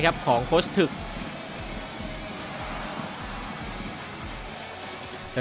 สนามโรงเรียนสมุทรสาคอนวุฒิชัย